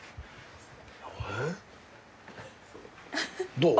どう？